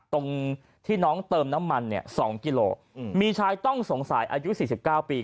ตรงที่น้องเติมน้ำมันเนี่ย๒กิโลมีชายต้องสงสัยอายุ๔๙ปี